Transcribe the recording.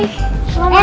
di video selanjutnya